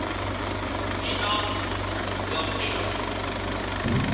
اي نام ڌن نُون ڳان ڪيوَراڻون